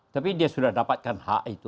tapi dia sudah dapatkan hak itu